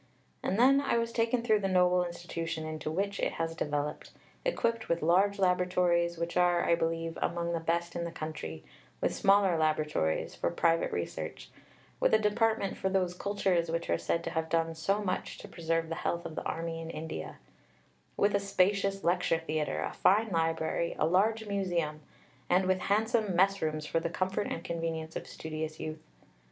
And then I was taken through the noble institution into which it has developed; equipped with large laboratories which are, I believe, among the best in the country, with smaller laboratories for private research; with a department for those "cultures" which are said to have done so much to preserve the health of the Army in India; with a spacious lecture theatre, a fine library, a large museum; and with handsome mess rooms for the comfort and convenience of studious youth.